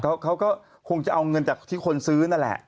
เขาก็คงจะเอาเงินจากที่คนซื้อนั่นแหละ